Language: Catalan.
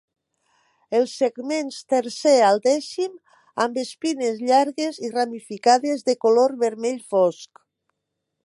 Els segments tercer al dècim amb espines llargues i ramificades de color vermell fosc.